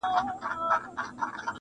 هارون جان ته د نوي کال او پسرلي ډالۍ:.!